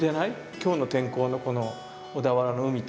今日の天候のこの小田原の海と。